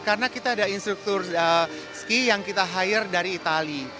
karena kita ada instruktur ski yang kita hire dari itali